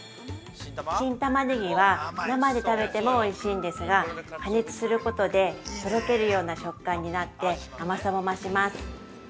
新タマネギは生で食べてもおいしいんですが加熱することで、とろけるような食感になって甘さも増します。